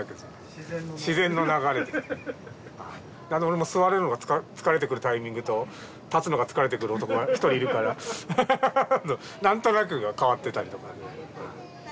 俺も座るのが疲れてくるタイミングと立つのが疲れてくる男が一人いるから何となく代わってたりとか。